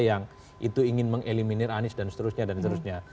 yang itu ingin mengeliminir anies dan seterusnya dan seterusnya